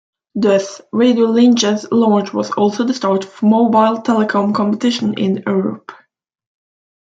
Thus, Radiolinja's launch was also the start of mobile telecom competition in Europe.